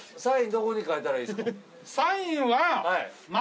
どこに書いたらいいですか？